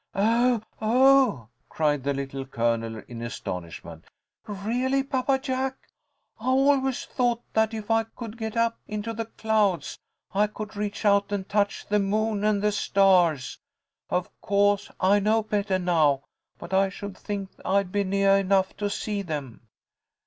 "Oh, oh!" cried the Little Colonel, in astonishment. "Really, Papa Jack? I always thought that if I could get up into the clouds I could reach out and touch the moon and the stars. Of co'se I know bettah now, but I should think I'd be neah enough to see them."